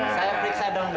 saya periksa dong